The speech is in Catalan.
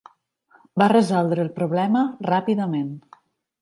Va resoldre el problema ràpidament.